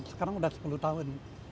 sekarang sudah sepuluh tahun